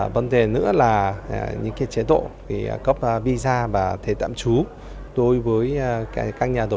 vấn đề nữa là những chế độ